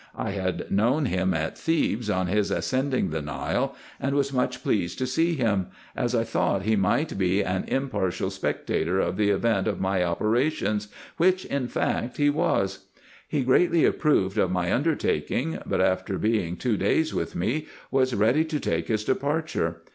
I had known him at mm2 268 RESEARCHES AND OPERATIONS Thebes on his ascending the Nile, and was much pleased to see him, as I thought he might be an impartial spectator of the event of my operations, which in fact he was. He greatly approved of my under taking, but after being two days with me was ready to take his de parture.